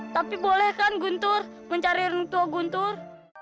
tapi boleh kan guntur mencari orang tua guntur